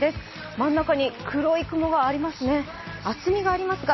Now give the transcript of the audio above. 真ん中に黒い雲がありますね。